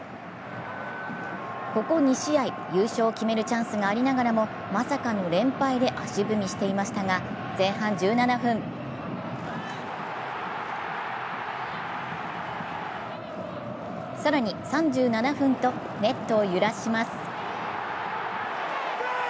ここ２試合、優勝を決めるチャンスがありながらもまさかの連敗で足踏みしていましたが前半１７分、更に３７分とネットを揺らします。